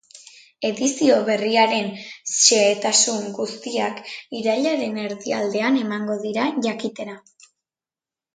Edizio berriaren zehetasun guztiak irailaren erdialdean emango dira jakitera.